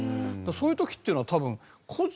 そういう時っていうのは多分個人じゃなくて。